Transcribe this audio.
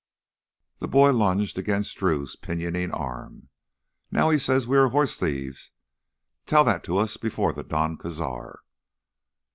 The boy lunged against Drew's pinioning arm. "Now he says we are horse thieves! Tell that to us before the Don Cazar!"